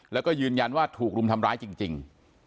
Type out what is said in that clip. แล้วก็ยืนยันว่าถูกรุมทำร้ายจริง